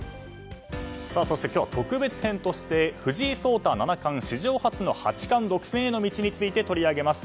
今日は特別編として藤井聡太七冠史上初の八冠独占への道について取り上げます。